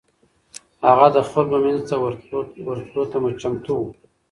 هغه د خلکو منځ ته ورتلو ته چمتو و.